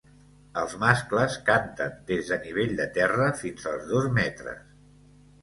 Els mascles canten des de nivell de terra fins als dos metres.